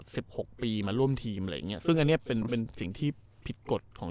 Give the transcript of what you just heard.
สิบหกปีมาร่วมทีมอะไรอย่างเงี้ซึ่งอันเนี้ยเป็นเป็นสิ่งที่ผิดกฎของ